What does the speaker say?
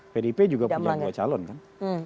pdip juga punya dua calon kan